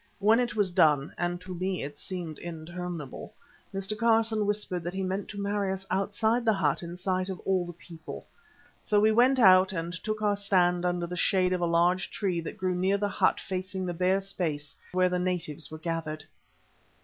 When it was done—and to me it seemed interminable—Mr. Carson whispered that he meant to marry us outside the hut in sight of all the people. So we went out and took our stand under the shade of a large tree that grew near the hut facing the bare space where the natives were gathered.